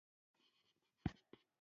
نباتات شفاء ورکوي.